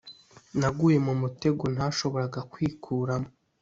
Naguye mu mutego ntashoboraga kwikuramo